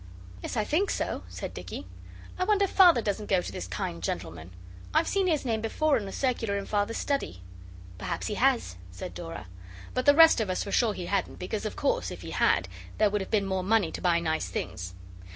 'Yes, I think so,' said Dicky. 'I wonder Father doesn't go to this kind gentleman. I've seen his name before on a circular in Father's study.' 'Perhaps he has.' said Dora. But the rest of us were sure he hadn't, because, of course, if he had, there would have been more money to buy nice things.